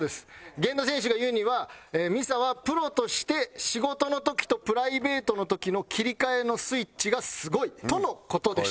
源田選手が言うには「美彩はプロとして仕事の時とプライベートの時の切り替えのスイッチがすごい」との事でした。